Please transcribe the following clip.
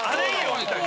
みたいな。